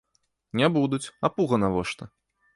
Не будуць, а пуга навошта?